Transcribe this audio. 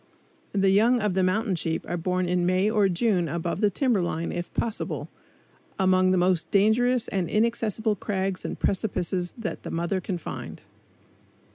The young of the mountain sheep are born in May or June above the timber line if possible, among the most dangerous and inaccessible crags and precipices that the mother can find.